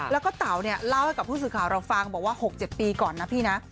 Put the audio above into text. แล้วก็เต๋าเนี่ยเล่าให้กับผู้สื่อข่าวเราฟังบอกว่า๖๗ปีก่อนนะพี่นะ